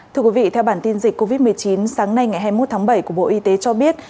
thưa quý vị theo bản tin dịch covid một mươi chín sáng nay ngày hai mươi một tháng bảy của bộ y tế cho biết